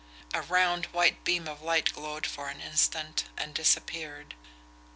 A round, white beam of light glowed for an instant and disappeared.